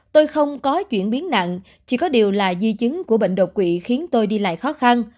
tôi không có chuyển biến nặng chỉ có điều là di chứng của bệnh đột quỵ khiến tôi đi lại khó khăn